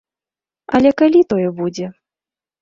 Але калі тое будзе?